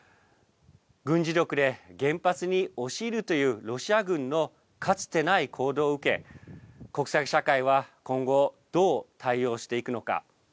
軍事力で原発に押し入るというロシア軍のかつてない行動を受け、国際社会は今後、どう対応していくのか。